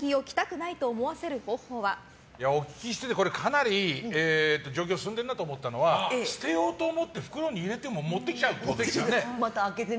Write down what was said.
お聞きしててこれかなり状況進んでるなと思ったのは捨てようと思って袋に入れても持ってきちゃうってところですね。